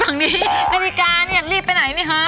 กินอาทิกานเนี่ยรีบไปไหนนี่ฮะ